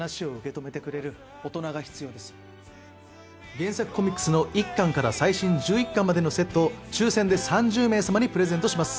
原作コミックスの１巻から最新１１巻までのセットを抽選で３０名様にプレゼントします。